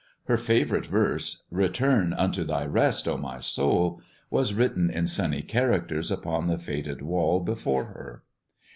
Her favorite verse, "Return unto thy rest, O my soul," was written in sunny characters upon the faded wall before her.